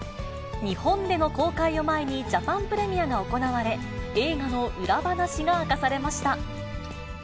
日本での公開を前に、ジャパンプレミアが行われ、映画の裏話が明かされました。